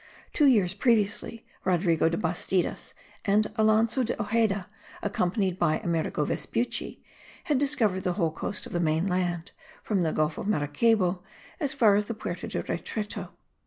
Two years previously, Rodrigo de Bastidas and Alanso do Ojeda, accompanied by Amerigo Vespucci, had discovered the whole coast of the main land, from the Gulf of Maracaybo as far as the Puerto de Retreto.